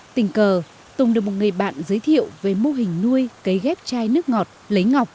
tình cờ tùng được một người bạn giới thiệu về mô hình nuôi cấy ghép chai nước ngọt lấy ngọc